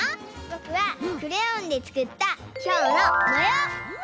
ぼくはクレヨンでつくったヒョウのもよう！